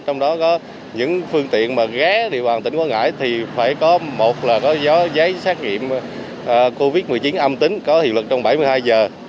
trong đó có những phương tiện mà ghé địa bàn tỉnh quảng ngãi thì phải có một là có gió giấy xác nghiệm covid một mươi chín âm tính có hiệu lực trong bảy mươi hai giờ